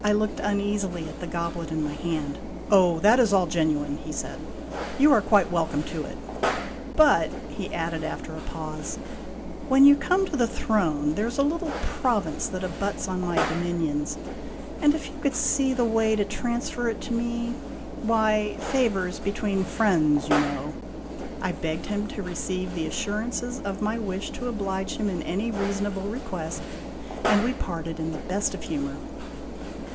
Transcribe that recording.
I looked uneasily at the goblet in my hand. " Oh, that is all genuine," he said. " You are quite welcome to it. But," he added, after a pause, " when you come to the throne, there 's a little province that abuts on my dominions, and if you could see the way to transfer it to me why, favors between friends, you know " I begged him to receive the assurances of my wish to oblige him in any reasonable request, and we parted in the best of humor.